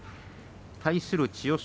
対する千代翔